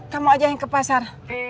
kamu aja yang ke pasar